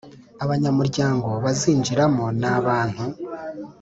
Abanyamuryango bazinjiramo ni abantu